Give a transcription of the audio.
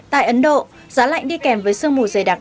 tại ấn độ giá lạnh đi kèm với sương mù dày đặc